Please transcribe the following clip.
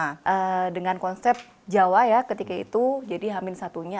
nah dengan konsep jawa ya ketika itu jadi hamin satunya